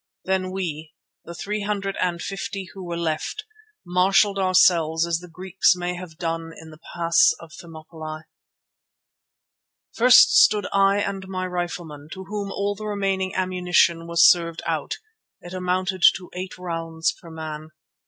Then we, the three hundred and fifty who were left, marshalled ourselves as the Greeks may have done in the Pass of Thermopylæ. First stood I and my riflemen, to whom all the remaining ammunition was served out; it amounted to eight rounds per man.